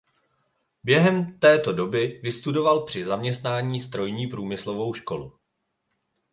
Během této doby vystudoval při zaměstnání Strojní průmyslovou školu.